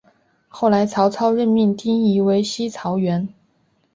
后来曹操任命丁仪为西曹掾。